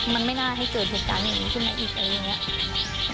มันไม่น่าให้เกิดเหตุการณ์อย่างนี้ขึ้นมาอีกอะไรอย่างนี้